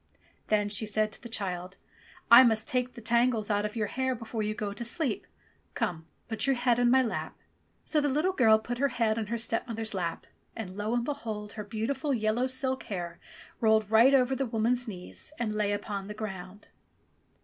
Then she said to the child, "I must take the tangles out of your hair before you go to sleep. Come, put your head on my lap." So the little girl put her head on her stepmother's lap, and lo, and behold ! her beautiful yellow silk hair rolled right over the woman's knees and lay upon the ground.